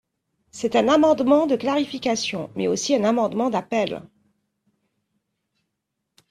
C’est un amendement de clarification, mais aussi un amendement d’appel.